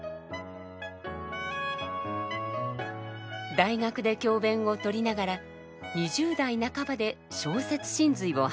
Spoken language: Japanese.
大学で教鞭を執りながら２０代半ばで「小説神髄」を発表。